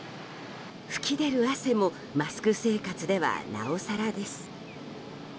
噴き出る汗もマスク生活ではなおさらです。